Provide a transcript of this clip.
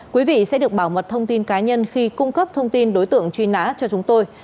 quý vị sẽ được bảo mật thông tin cá nhân khi cung cấp thông tin đối tượng truy nã cho chúng tôi